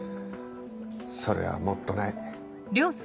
それはもっとない。